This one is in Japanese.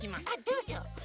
どうぞ。